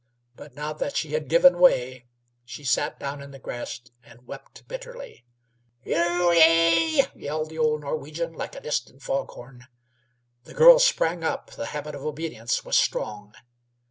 But now that she had given way, she sat down in the grass and wept bitterly. "Yulyie!" yelled the vigilant old Norwegian, like a distant foghorn. The girl sprang up; the habit of obedience was strong.